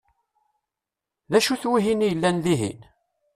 D acu-t wihin i yellan dihin?